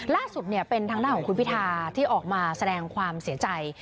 ล่าสุดเป็นทางด้านของคุณพิธาที่ออกมาแสดงความเสียใจ